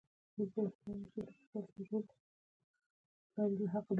نوموړي د نظام مخالفین اعدام کړل.